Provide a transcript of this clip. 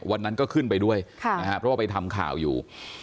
วันนั้นก็ขึ้นไปด้วยเพราะว่าไปทำข่าวอยู่